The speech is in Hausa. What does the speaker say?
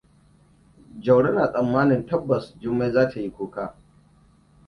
Jauro na tsammanin tsabbas Jummai za ta yi kuka.